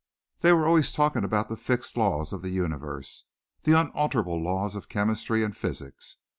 They were always talking about the fixed laws of the universe the unalterable laws of chemistry and physics.